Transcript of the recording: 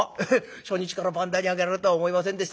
初日から番台に上がれるとは思いませんでした。